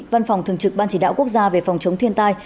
văn phòng thường trực ban chỉ đạo quốc gia về phòng chống thiên tai